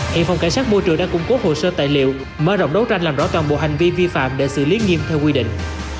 hệ phòng cảnh sát môi trường đã cung cố hồ sơ tài liệu mơ rộng đấu tranh làm rõ toàn bộ hành vi vi phạm để xử lý nghiêm theo quy định